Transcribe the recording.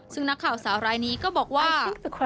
สาวรายนี้ก็บอกว่า